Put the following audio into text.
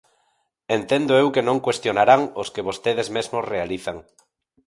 Entendo eu que non cuestionarán os que vostedes mesmos realizan.